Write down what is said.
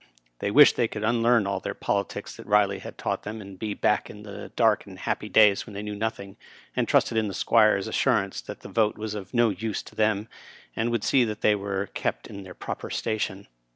They wished they could unlearn all their politics that Biley had taught them, and be back again in the dark and happy days when they knew nothing, and trusted in the Squire's assurance that the vote was of no use to them and he would see that they were kept in their proper station.